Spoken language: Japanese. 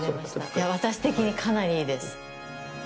いや、私的にかなりいいです。